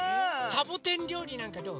サボテンりょうりなんかどう？